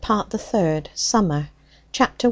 PART THE THIRD SUMMER CHAPTER I.